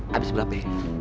habis berapa ini